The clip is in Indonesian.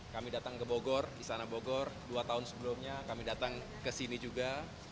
kami datang ke bogor istana bogor dua tahun sebelumnya kami datang ke sini juga